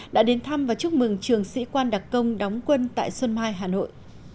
đã đến thăm và chúc mừng trường sĩ quan đặc công đóng quân tại xuân mai hà nội